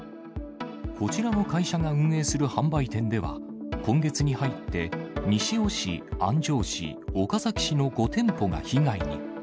こちらの会社が運営する販売店では、今月に入って、西尾市、安城市、岡崎市の５店舗が被害に。